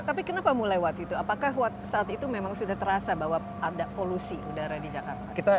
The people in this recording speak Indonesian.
tapi kenapa mulai waktu itu apakah saat itu memang sudah terasa bahwa ada polusi udara di jakarta